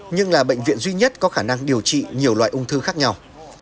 nhưng là bệnh viện duy nhất có khả năng điều trị nhiều loại ung thư khác nhau